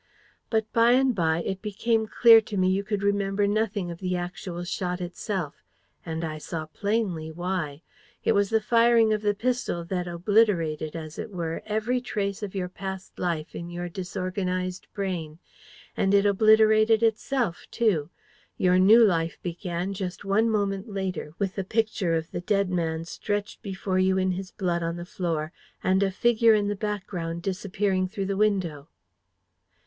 But by and by, it became clear to me you could remember nothing of the actual shot itself. And I saw plainly why. It was the firing of the pistol that obliterated, as it were, every trace of your past life in your disorganised brain. And it obliterated ITSELF too. Your new life began just one moment later, with the Picture of the dead man stretched before you in his blood on the floor, and a figure in the background disappearing through the window."